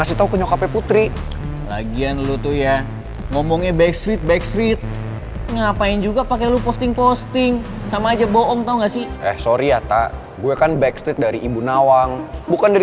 sama pangeran tampan itu jadian